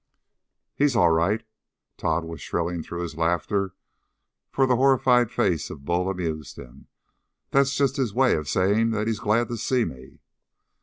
"He's all right," Tod was shrilling through his laughter, for the horrified face of Bull amused him. "That's just his way of saying that he's glad to see me!"